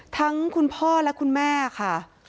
คุณพ่อและคุณแม่ค่ะ